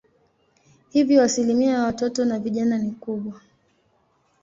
Hivyo asilimia ya watoto na vijana ni kubwa.